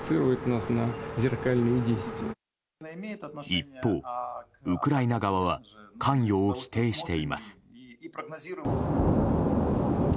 一方、ウクライナ側は関与を否定しています。